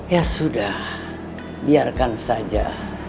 ya sudah biarkan saja